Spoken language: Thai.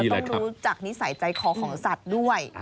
ต้องรู้จักนิสัยใจคอของสัตว์ด้วย